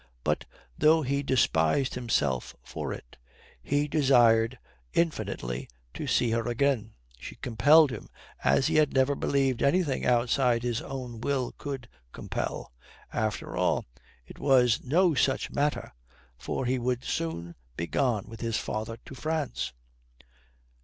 But, though he despised himself for it, he desired infinitely to see her again. She compelled him, as he had never believed anything outside his own will could compel. After all, it was no such matter, for he would soon be gone with his father to France.